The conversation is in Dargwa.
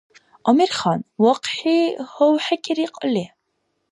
Амирхан, вахъхӀи гьавхӀекӀири кьалли?